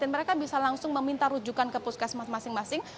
mereka bisa langsung meminta rujukan ke puskesmas masing masing